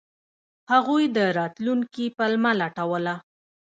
هغوی د راتلونکي پلمه لټوله.